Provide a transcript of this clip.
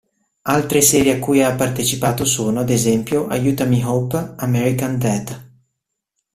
Altre serie a cui ha partecipato sono, ad esempio, Aiutami Hope!, American Dad!